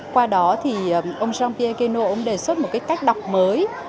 qua đó ông jean pierre guénot đề xuất một cách đọc mới